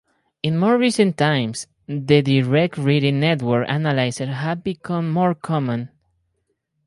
In more recent times the direct reading network analyzers have become more common.